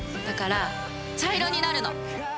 だから茶色になるの！